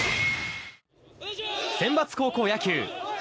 センバツ高校野球。